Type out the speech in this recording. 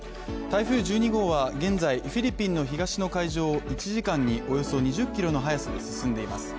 台風１２号は、現在フィリピンの東の海上を１時間におよそ２０キロの速さで進んでいます。